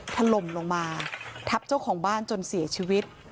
ถล่มลงมาทับเจ้าของบ้านจนเสียชีวิต